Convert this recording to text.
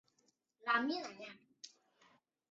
被认为严肃的事物随不同的文化广泛地变化。